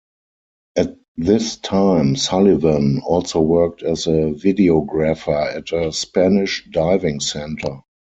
At this time Sullivan also worked as a videographer at a Spanish diving centre.